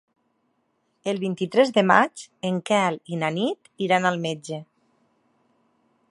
El vint-i-tres de maig en Quel i na Nit iran al metge.